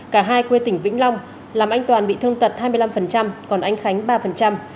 cả hai quê tỉnh vĩnh long làm anh toàn bị thương tật hai mươi năm còn anh khánh ba